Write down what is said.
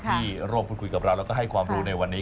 ที่ร่วมพูดคุยกับเราแล้วก็ให้ความรู้ในวันนี้